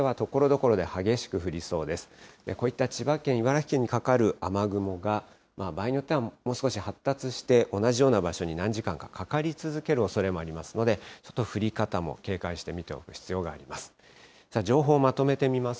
こういった千葉県、茨城県にかかる雨雲が、場合によってはもう少し発達して、同じような場所に何時間かかかり続けるおそれもありますので、ちょっと降り方も警戒して見ておく必要があります。